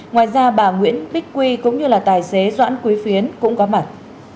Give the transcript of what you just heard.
ngoài ra bà nguyễn bích quy cũng như là tài xế doãn quý phiến cũng có mặt